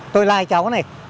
tôi lai cháu này